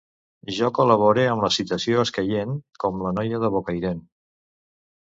Jo col·labore amb la citació escaient, com la noia de Bocairent